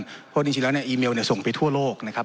เพราะจริงจริงแล้วเนี่ยอีเมลเนี่ยส่งไปทั่วโลกนะครับ